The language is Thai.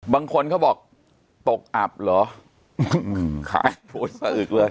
บางคนเขาบอกตกอับเหรอขายพูดสะอึกเลย